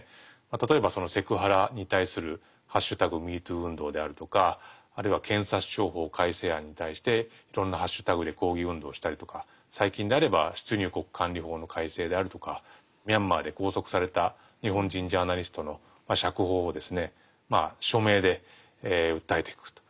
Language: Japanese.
例えばセクハラに対する「＃ＭｅＴｏｏ運動」であるとかあるいは検察庁法改正案に対していろんなハッシュタグで抗議運動したりとか最近であれば出入国管理法の改正であるとかミャンマーで拘束された日本人ジャーナリストの釈放を署名で訴えていくと。